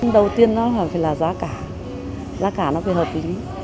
đầu tiên nó hợp phải là giá cả giá cả nó phải hợp lý